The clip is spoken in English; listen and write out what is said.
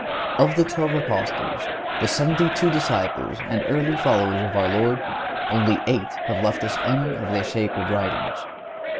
Of the twelve Apostles, the seventy two disciples, and early followers of our Lord only eight have left us any of their sacred writings.